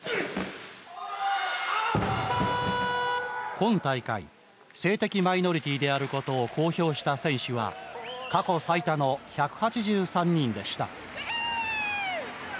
今大会性的マイノリティーであることを公表した選手は過去最多の１８３人でした。